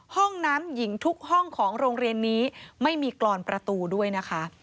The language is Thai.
ห้องน้ำหญิงทุกห้องของโรงเรียนนี้ไม่มีกรอนประตูด้วยนะคะ